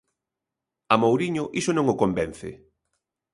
A Mouriño iso non o convence.